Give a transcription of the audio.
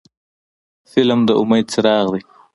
فلم د امید څراغ دی